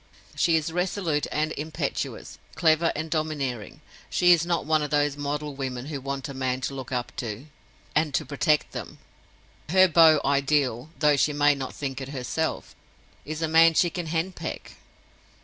She is resolute and impetuous, clever and domineering; she is not one of those model women who want a man to look up to, and to protect them—her beau ideal (though she may not think it herself) is a man she can henpeck.